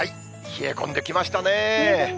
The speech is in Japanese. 冷え込んできましたね。